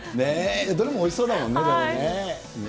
どれもおいしそうだもんね。